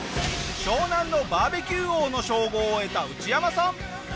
湘南のバーベキュー王の称号を得たウチヤマさん。